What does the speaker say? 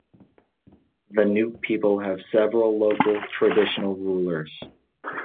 The Nupe people have several local, traditional rulers.